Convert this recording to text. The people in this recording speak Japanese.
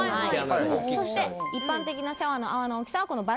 そして一般的なシャワーの泡の大きさ